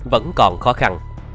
vẫn còn khó khăn